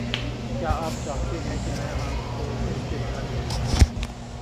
کیا آپ چاہتے ہیں کہ میں آپ کو اس کے گھر لے جاؤں؟